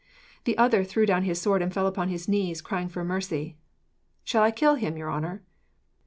The other threw down his sword, and fell upon his knees, crying for mercy. "Shall I kill him, your honour?"